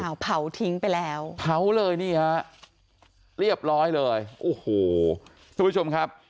เอาเผาทิ้งไปแล้วเผาเลยนี่ฮะเรียบร้อยเลยโอ้โหทุกผู้ชมครับ